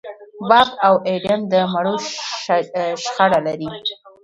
باب او اېډم د مڼو شخړه لري.